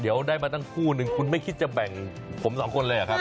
เดี๋ยวได้มาตั้งคู่นึงคุณไม่คิดจะแบ่งผมสองคนเลยเหรอครับ